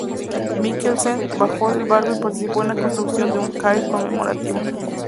Mikkelsen bajó del barco y participó en la construcción de un cairn conmemorativo.